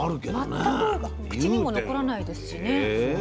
全く口にも残らないですしね。